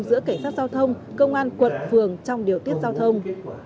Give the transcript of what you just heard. giữa cảnh sát giao thông công an quận phường trong điều tiết giao thông